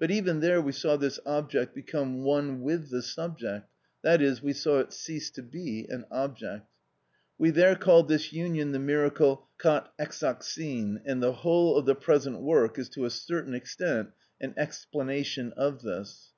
But even there we saw this object become one with the subject; that is, we saw it cease to be an object. We there called this union the miracle κατ᾽ εξοχην, and the whole of the present work is to a certain extent an explanation of this.